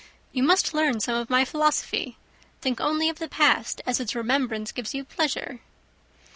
You must learn some of my philosophy. Think only of the past as its remembrance gives you pleasure."